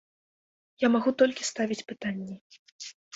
Я магу толькі ставіць пытанні.